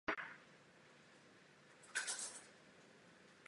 V následném střetu pak byl poražen rakouský předvoj a donucen k ústupu.